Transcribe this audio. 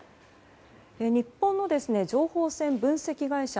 日本の情報戦分析会社